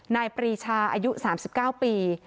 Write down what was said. ปรีชาอายุ๓๙ปี